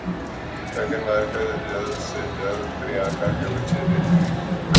میگھن Markle جلد سے جلد پریانکا کے بچے دیکھنے کی خواہاں